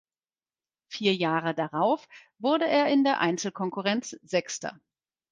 Vier Jahre darauf wurde er in der Einzelkonkurrenz Sechster.